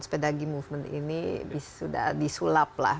sepeda ging movement ini sudah disulaplah